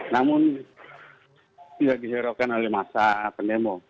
namun tidak dihiraukan oleh masa pendemo